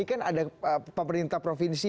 ini kan ada pemerintah provinsi